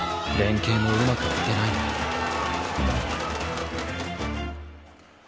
連携もうまくいってないね。